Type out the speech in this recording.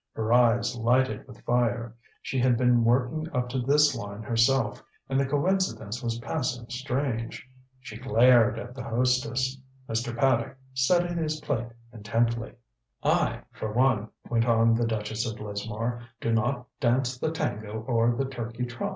Her eyes lighted with fire. She had been working up to this line herself, and the coincidence was passing strange. She glared at the hostess. Mr. Paddock studied his plate intently. "I for one," went on the Duchess of Lismore, "do not dance the tango or the turkey trot.